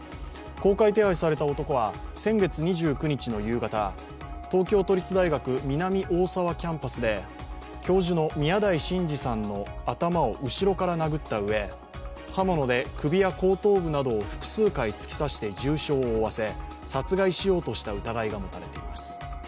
公開手配された男は先月２９日の夕方東京都立大学南大沢キャンパスで教授の宮台真司さんの頭を後ろから殴ったうえ、刃物で首や後頭部などを複数回突き刺して重傷を負わせ殺害しようとした疑いが持たれています。